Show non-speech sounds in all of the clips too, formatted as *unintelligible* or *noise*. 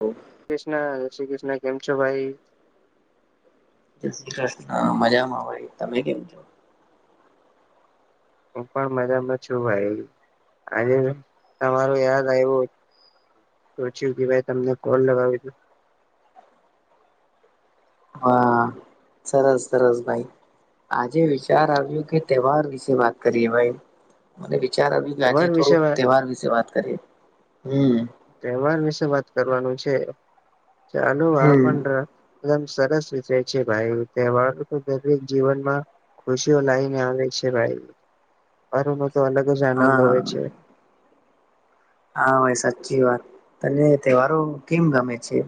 જય કૃષ્ણ શ્રી કૃષ્ણ કેમ છો ભાઈ. જાય શ્રી કૃષ્ણ મજામાં ભાઈ તમે કેમ છો. હું પણ મજામાં છું ભાઈ. આજે તમારું યાદ આવ્યો. સોચ્યું કહેવાય તમને કૉલ લગાવું *unintelligible* હા સરસ સરસ ભાઈ. આજે વિચાર આવ્યો કે તહેવાર વિશે વાત કરીએ ભાઈ મને વીચાર આવ્યુ આજે તહેવાર વિશે થોડું વાત તહેવાર વિશે વાત કરીએ હમ્મ. તહેવાર વિશે વાત કરવાનું છે ચાલો હ હમ પણ *unintelligible* સરસ વિષય છે ભાઈ તહેવાર તો દરેક જીવનમાં ખુશીઓ લાઈને આવે છે ભાઈ મારું તો તો અલગ જ આનંદ હા હોય છે. હા ભાઈ સાચી વાત તને તહેવારો કેમ ગમે છે.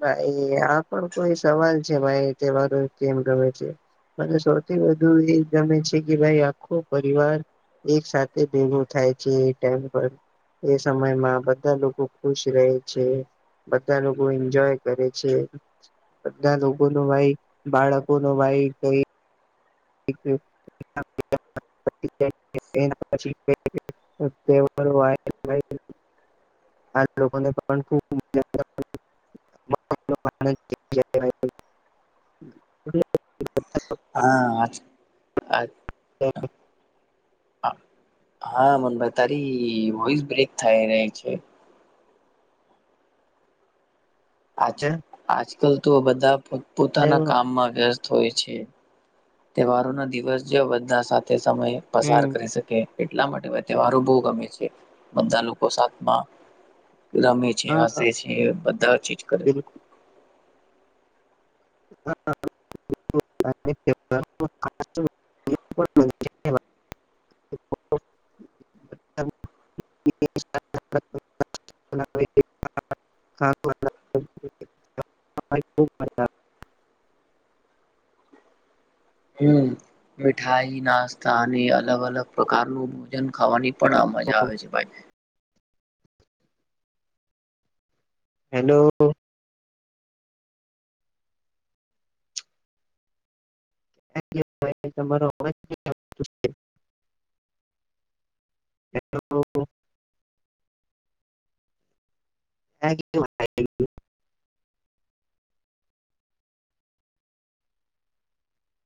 ભાઈ આ પણ કોઈ સવાલ છે ભાઈ તેવારો કેમ ગમે છે. મને સૌથી વધુ એ ગમે છે કે ભાઈ આખો પરિવાર એક સાથે ભેગું થાય છે એ ટાઈમ પર. એ સમયમાં બધા લોકો ખુશ રહે છે બધા લોક કો એન્જોય કરે છે. બધા લોકો નો ભાઈ બાળકો નો ભાઈ કઈ એક *unintelligible* *inaudible* આ લોકોને પણ ખૂબ મ *unintelligible* *inaudible* હા આજ આજ તો હા મનભાઈ તારી વોઈસ બ્રેક થાય ર છે. આજ આજકાલ તો બધા પો પોતાના કામમાં વ્યસ્ત હોય છે તહેવારો ના દિવસ બધા સાથે સમય પસાર હમ કરી શકે. એટલા માટે તહેવારો બહુ ગમે છે બધા લોકો સાથમાં. રમે છે હા હસે છે બધા ચીજ કરે. બિલકુલ હા. *inaudible* *inaudible* *inaudible* ખૂબ મજા. હમ મીઠાઈ નાસ્તા અને અલગ અલગ પ્રકારનું ભોજન ખાવાની. પણ આ મજા આવે છે ભાઈ. હેલો. એટલે ભાઈ તમારો અવાજ નથી આવતો છે. *inaudible* *inaudible*